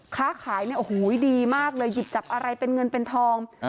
ค้าขายดีมากเลยหยิบจับอะไรเป็นเงินเป็นทอง